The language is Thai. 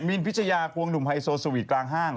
มีนพิชยาควงหนุ่มไฮโซสวีทกลางห้าง